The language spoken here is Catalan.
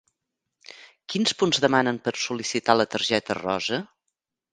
Quins punts demanen per sol·licitar la targeta rosa?